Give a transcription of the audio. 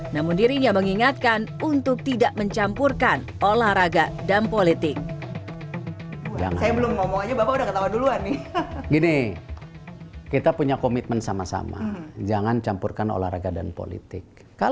namun dirinya mengingatkan untuk tidak mencampurkan olahraga dan politik